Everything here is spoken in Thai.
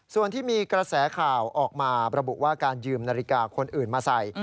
ส่วนที่มีกระแสข่าวออกมาระบุว่าการยืมนาฬิกาคนอื่นมาใส่